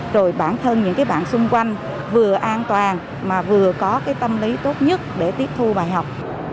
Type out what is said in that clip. rồi bản thân những cái bạn xung quanh vừa an toàn mà vừa có cái tâm lý tốt nhất để tiếp thu bài học